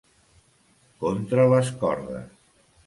Contra les cordes.